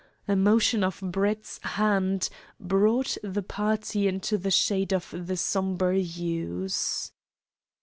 A motion of Brett's hand brought the party into the shade of the sombre yews.